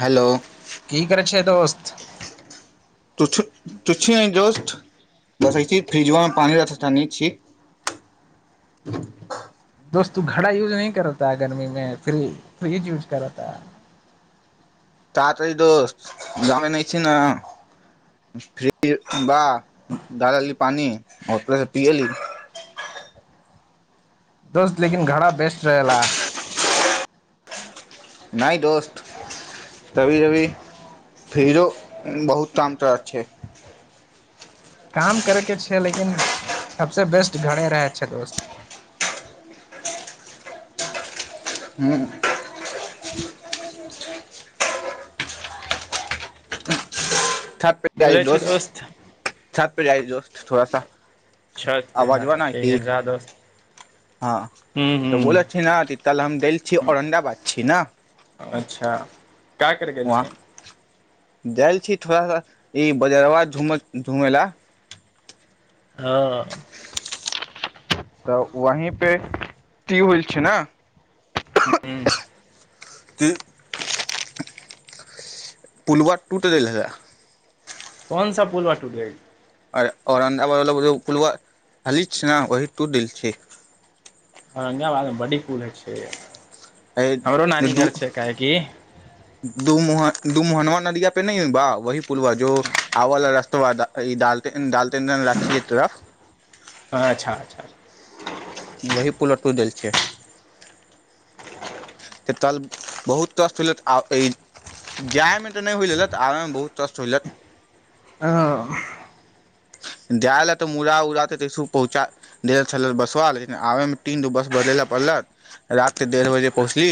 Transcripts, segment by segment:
Hello की करै छैयय दोस्त तुछ तुुचछो नय दोस बस ऐसेही फ्रिजबामे पानी्त रख तानी छी। दोस्तो घड़ा यूज न करता ह गर्मी मे फ्र फ्रिज यूज करता ह। [inaudible] दोस्त लेकिन घड़ा बेस्ट रहे ला। नहि दोस्त तभी अभी फिरो बहुत काम करअ के छै काम करै के छैय लेकिन सभसे बेस्ट घरे रहै छैय दोस्त। हू छत पे आइ बोलै छै दोस दोस्त छत [unintelligible] थोड़ा सा छत पे ह आवाजब तऽ न ठीक ती है जा दोस्त हँ ह तऽ बोल छी ह न अल हम द छी औरदााबाद छी ने अच्छा का कर गेल वहाँ छी दायल छी थोड़ा सा ई बजरवा धूमत धूमे ला। ह तऽ वही पे ती उल छैय ने। हूँ [unintelligible] पुलवा टूटे गेल हाय कोन सा पूलवा टूट गईल [unintelligible] औरंगाबादमे बडी फूल छैय। एत दू दू मोहर दू मोहनुआ नदिया पे नय ह बा वही पूलवा जो आव र तो ईाल डालटेन त लाठीय तरफ अच्छा अच्छा वही पुलवा टूट गेल छै त तल बहुत कष्ट होयलत आ ई जा्यायमे तऽ नहि होय लेलत आबयमे बहुत कष्ट होयलत हँ जाल तऽ मुड़ उरा तस पहुँचा बसबा लेकिन आबे मे तीन दो बस बदले ल पड़लत रााते डेढ़ बजे पहुँचली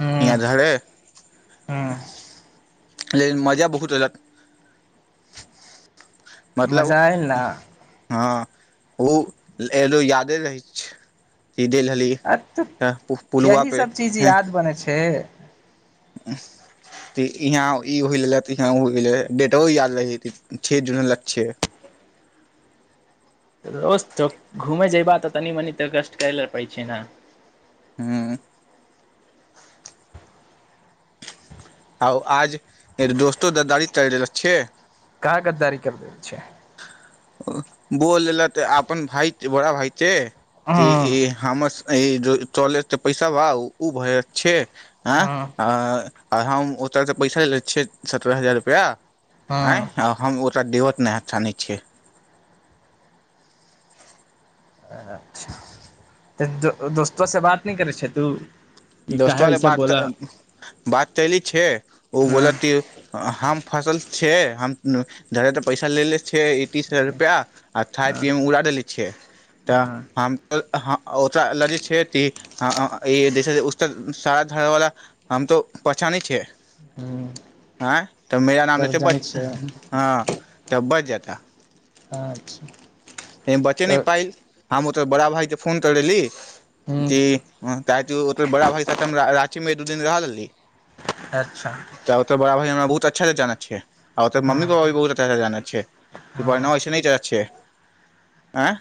ह यहाँ धरे ह लेकिन मजा बहुत लेलक मतलब मजा आयल न हँ ओ एलो यादे रहै छै ई देल रहली अ तऽ पुलवा पे यहीसभ चीज हँ याद बनै छै यहाँ ई हो गेलक इहाँ ओ हो गेल डेटो याद रह छे जून होला छै रोज टोक घूमे जयबा तऽ तनी मनी तऽ कष्ट करै लए परै छै न हुँ हउ आज दोस्तो ददारी करेला छै का गद्दी केल केय छै अ बोल लेल तऽ अपन अपन भाइ बड़ा भाइ के ती हँ इ हमस ई चले त पैसा बा ओ भय छै आँ हँ आ आ हम ओतऽसँ पैसा लेने छियै सत्ररह हजार रुपैआ आँय हँ हम ओर देवत नहि छान छियै तऽ दोस्तो से बात नहि करै छै तू ई काहे दोस्तवा ऐसा बात बोला बात कल छै ओ हँ बोला की हम फसल छियै हमर त पैसा लेलेे छियै ई तीस हजार रुपैआ आ खाय हँ पियैमे उड़ा दे छियै तऽ हँ हम ओतरा लऽ जाइ छियै तऽ ई जैसे उ त सारा धर वालला हम तो पहचानेय छिय ह ऐं तऽ मेरा नाम तब लेत ब जानै छै हँ तब बच जेता हँ अच्छा ए बचने तऽ पाइल हम ओतो बड़ा भाइके फोन करेली कि ह काहाकि ओ बड़ा भाइके साथ रांची मे एक दू दिन रह लेली अच्छा त ओ तऽ बड़ा भाई न बहुत अच्छासँ जानत छै आर ओत हँ मम्मी पापा भी बहुत अच्छाँ जानैत हँ छैढ़ना ओसे जानत छै एँ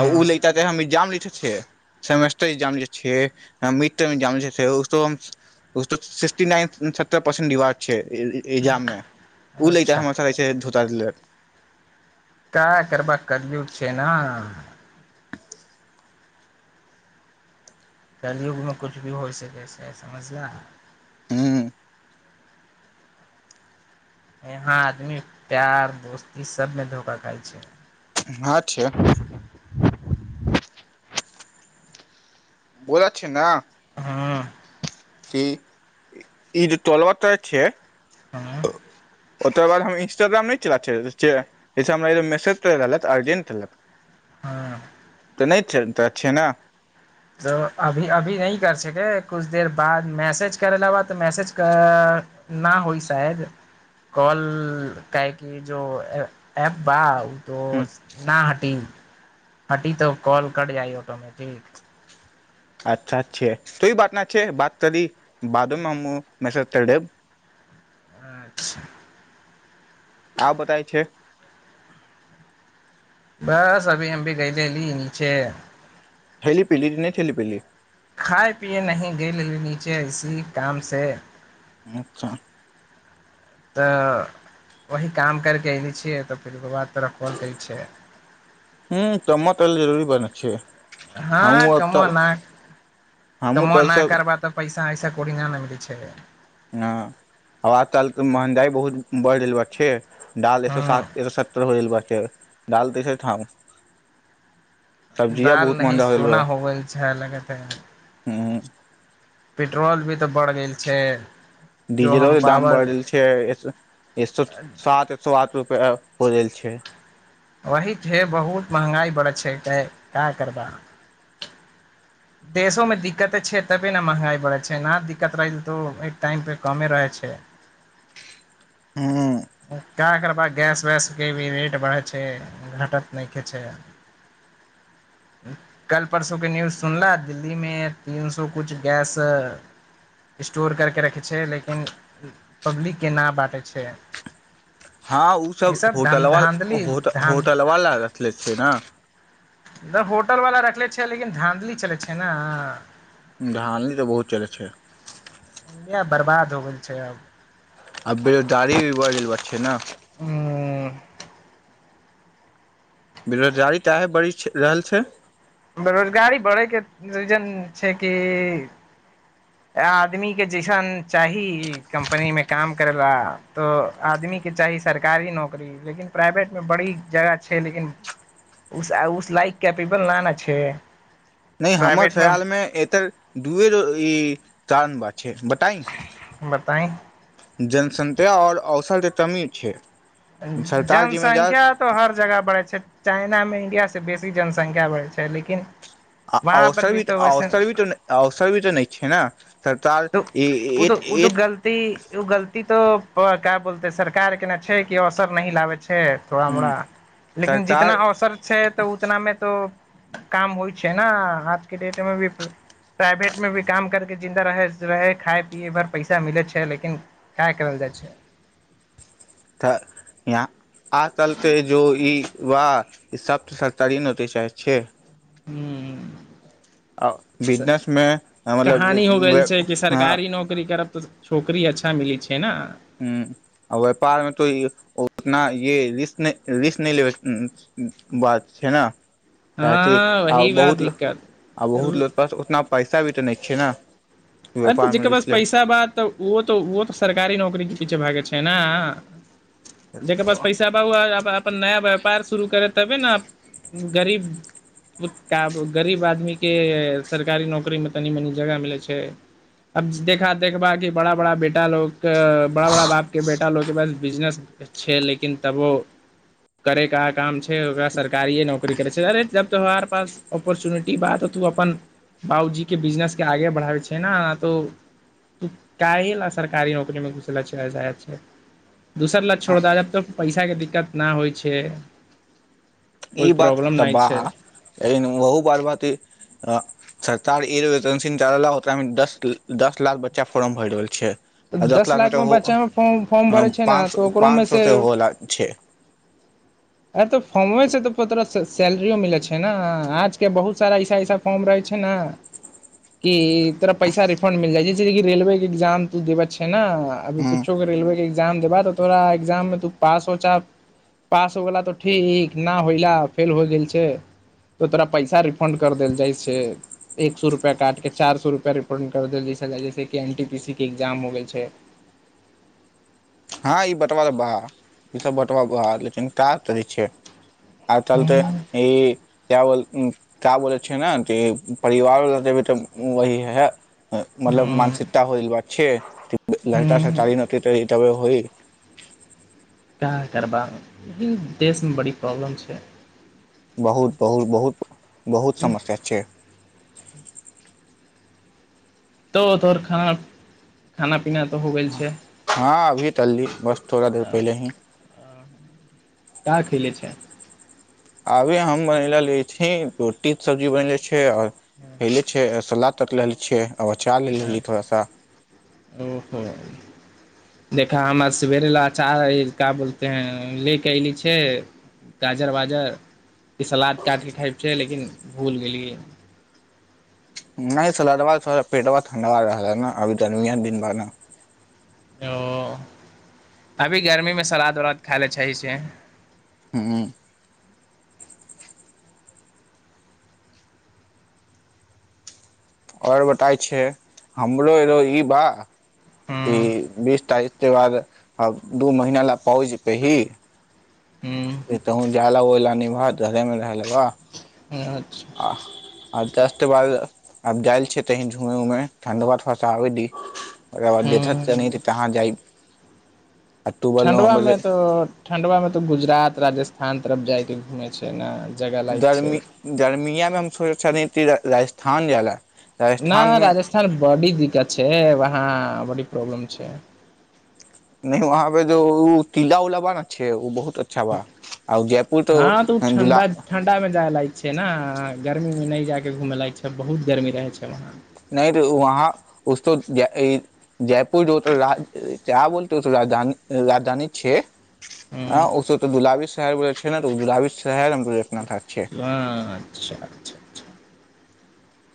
ओ लित त हम एग्जाम लखने छियै सेमेस्टर ए्जाम ल छियै मट् ल सिक्सटी नाइन सत्तर परसेंट रिवार्ड छै एग्जाममे ओ लड़का अच्छा हमरा साथे छै धूत करलेट काय करबा करियौ छै ने कलयुगमे किछु भी होइ सकै छै समझलह हँ यहाँ आदमी प्यार दोस्ती सबमे धोखा खाय छै अँ छै बोझ छै ने हँ कि ई जे तोलब तर छिय हँ ओकर बाद हम इंस्टाग्राम नहि च छियै हमरा मैसेज त रहल अर्जेंट रहलक हँ तऽ नहि त छिय ने त अभी अभी न कर छके कछ देर बाद मैसेज करै ला बा तऽ मैसेज ना होइ शायद कॉल कै क जो एप बा तो हूँ न ह ट हटी तऽ कॉल कट जाइ ऑटोमेटिक अच्छा अच्छे तो ई बात न अच्छा छैे बात करी बादोमे हम मैसेज कर देब अच्छा आ बताय छै बस अभी हम भी गयले रही नीचे खयली पीली नहि खयली पीली खाए पियए नहि गेलेली नीचे इसी काम से अच्छा तऽ वही काम करि कऽ अयने छियै तऽ फेर ओकर बाद तोरा कॉल करै छिय ह तमा तल जरूरी बनेक छै हँ हमहूँ तल कमाना हमहूँ तल कमाना सब करबा तऽ पैसा ऐसा पड़ंग ने मरी छै हँ हवा तालके महगाइ बहुत बढ़ि गेल छै डाल एक सए हँ सात एक सए सरि होल बाक डाल दसे ठाम सब्जिया दाल बहुत नहि महंगा हो गेल सोना बा होबैछा लगते हूँ पेट्रोल भी तऽ बढ़ि गेल छै जो डीजलो हम दाम पावर बढ़ल छै एक सए सात एक सए आठ रुप हो देल छै वही छै बहुत महँगाइ बड़ै छै कै क्या करबह देशोमे दिक्कते छै तबे ने महगाइ बढ़ै छै नहि दिक्कत रहै छै तऽ एक टाइमपर कमे रहै छै हँ क करबा गैस वैसके भी रेट बढ़ै छै घटत नहि ख छै कल परसूके न्यूज सुनलाह दिल्लीमे तीन सए कुछु गैस स्टोर करके रखै छै लेकिन पब्लिकके न बाँटै छै हँ ई ओसभ सब धान होटलव धाँधली धान होटलवाला रखले छै ने धर होटल वालला रखले छ लेकिन धाँधली चलै छै ने धानी तऽ बहुत चलै छै इिया बर्बाद हो गेल छै अब आ बेरोजगारी भी बढ़ गेल बात छै ने ह बेरोजगारी तऽ इएह बड़ी रहल छै बेरोजगारी बढ़यके रीजन छै कि आदमीके जैसन चाही कम्पनीमे काम करय ल तऽ आदमीके चाही सरकारी नौकरी लेकिन प्राइवेटमे बड़ी जगह छै लेकिन उस उस लाइक कैपेबल नहि ने छै नहि हमर प्राइवेटमे खयालमे एतर दूए ई चारन बात बताई बताई जनसंख्या आओर औसध कमी छै सरकार जिम्मेदार जनसंख्या तो हर जगह बढ़ै छै चाइना मे इंडियाास से बेसी जनसंख्या बढ़ैत छै लेकिन आ वहाँ पर अवसर भी तऽ वैसन अवसर भी तऽ अवसर भी तऽ नहि छै ने सरकार त ई ओ तऽ एक ओ त एक गलती ओ गलती तो क्य बोलते सरकार के ने छै कि अवसर नी लाबे छै छै थोड़ा मोड़ा लेकिन सरकार जितना अवसर छै तऽ उतना मे तो काम होइ छै ने आजके डेट मे भी प्राइवेट मे भी काम करके जिन्दा रहै रहै खााय पियै भर पैसा मिलैत छै लेकिन क करल जाइ छै तऽ यहाँ आ चलते जो ई वा सभसँ सरकारी नौकरी चाहैत छियै हू आ बिजनेसमे मतलब कहानी हो गेल छै कि ह सरकारी नौकरी करब तऽ छौकरी अच्छा मिलै छै ने ह आ व्यापारमे तो उतना रिस्क नहि लेबै बात छै ने हँ क आ वही बा बहुत दिक्कत आ बहुत लो अरे प उतना पैसा च भी तऽ नहि छै ने अरे तऽ व्यापारमे जकर पास रिस्क पैसा बात त वो तऽ वो सरकारी नौकरी क पीछु लागल छै ने जकर पास लेब पैसा बा हुआ आ अपन नया व्यापार शुरू करै तबे ने गरीब गरीब आदमीके सरकारी नौकरीमे तनि मनी जगह मिलै छै अब देखा देखबा कि बड़ा बड़ा बेटा लो बड़ा बड़ा बापके बेटा लो के प बिजनेस छै लेकिन तब ओ करे क काम छै ओकरा सरकारिए नौकरी करे छै जब तो हमारे पास अपोर्चुनिटी बात ह तू अपन बाबूजी के बिजनेस के आगे बढ़ावे छै त क सरकारी नौकरी मे घुसय छै दूसर ल छोड़ द दे जब तो पैसा अचछाके दिक्कत नहि होइ छै ई कोइ बात प्रॉब्लम त नहि बा छै बहु बात बात अ सरकार र वेकेंसिन चरा मे दस दस लाख बच्चा फोर्म भर रहल छै तऽ आ दस लाख मे तऽ लाखमे हो बच्चामे फॉर् फॉर्म भरै छै ने पाँच तऽ सौ ओकरोमे पाँच सौ सँ से होला छै अ तो फॉर्मे से त तोरा सैलरियो मिलै छै ने आज के बहुत सारा ऐसा ऐसा फॉर्म रहे छै ने कि तोरा पैसा रिफंड मिल जाइ जैस रेलवे के एग्जाम तू देबे छे ने अभी हूं कुछोे के रेलवे के एग्जाम देबय त तोरा एग्जाम में पास हो जेबय हो गेला त ठीक ना हौएला फेल हो गेल छै तोरा पैसा रिफंड कर देल जाइ छै एक सौ रुपया काटी के चार सौ रुपया रिफंड कर देल जाय छय जैसे कि एन टी पी सी के एग्जाम हो गेल छै हँ ई बँतवा बा ईसभ बँतवा बहा लेकिन ई सभ का कही छीये आ चल तऽ ई क्या बोल क्या बोलै छियै ने परिवारवला देबै तऽ वही है मतलब हूँ मानसिकता होइल बा छे लड़का हूँ सरकारी नौकरी करि तभे होइ का करबा देशमे बड़ी प्रॉब्लम छै बहुत बहुत बहुत बहुत समस्या छै तो तोहर खाना खाना पीना तऽ हो गेल छै हँ अभी तली बस थोड़ा देर पहिले ही का खेलय छै आभी हम बनेले ले छी रोटी सब्जी बनेले छी ले आ खयले छियै सलाद काट लेल छियै अब अचार ले लेली थोड़ सा ओहो देखा हमर सवेरे लए अचार का बोलते हैं ले कऽ अयली छै गाजर वाजर कि सलाद काटिके खायब छै लेकिन भूल गेलियै नहि सलदबा से थोड़ा पेटबा ठण्डबा रहलै न अभी गर्मीया दिन बा ने ओ अभी गर्मीमे सलाद उलाद खाय ले छै से हँ आओर बताइ छै हमरो एरो ई बा हूँ ई बीस तारीख बाद दू महिना ला पाउज रही हूँ से तहन जा ला ओहि ला निबह घरे मे रह ले बा अच्छा आ दस्ते बाद आब जाय छी झुमे मे ठण्डबा थोड़ा सा आबे दी ओकरा बाद देखत हूँ तानी तहाँ जाइब अक्टूबर ठण्डवा नवम्बर ले मे तऽ ठण्डवा मे तऽ गुजरात राजस्थान तरफ जाइके घुमै छै ने जगह लायक गर्मी छै गर्मीयामे हम सोचय छली कि जे राजस्थान जायलै न राजस्थान बडी दिक्कत छै वहाँ बड़ी प्रॉब्लम छै नहि वहाँ पे जो ओ किला उला बाने छै ओ बहुत अच्छा बा आ जयपुर तो हँ तऽ ओ दुला ठण्डा ठण्डा मे जाय लाइक छै ने गर्मी मे नहि जाय के घुमए लायक छै बहुत गर्मी रहै छै वहां नहि तऽ वहाँ उसको जय ई जयपुर जो क्या बोलते है राज राजधानी छै हँ ह उसको तो बुलाबीस छै ने तऽ उ बुलाबीस अच्छा अच्छा अच्छा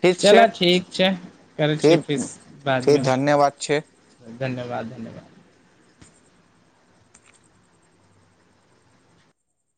ठीक छै चलऽ ठीक छै करै छियै ठीक फिरसे ठीक बादमे धन्यवाद छै धन्यवाद धन्यवाद